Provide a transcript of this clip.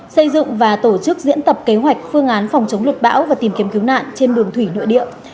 xây dựng và tổ chức diễn tập kế hoạch phương án phòng chống luật bão và tìm kiếm cứu nạn trên đường thủy nội địa